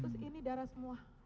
terus ini darah semua